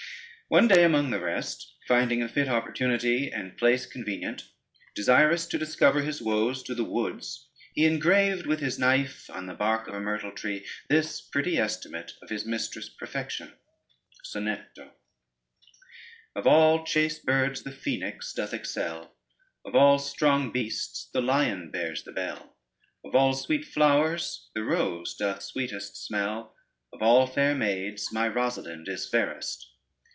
One day among the rest, finding a fit opportunity and place convenient, desirous to discover his woes to the woods, he engraved with his knife on the bark of a myrtle tree, this pretty estimate of his mistress' perfection: [Footnote 1: sang.] Sonetto Of all chaste birds the Phoenix doth excell, Of all strong beasts the lion bears the bell, Of all sweet flowers the rose doth sweetest smell, Of all fair maids my Rosalynde is fairest.